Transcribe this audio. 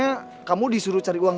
ark tulis dalam bidang remained